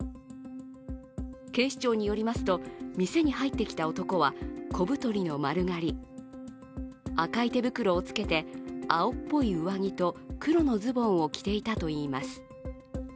警視庁によりますと、店に入ってきた男は小太りの丸刈り、赤い手袋をつけて、青っぽい上着と黒のズボンを着ていたといいます。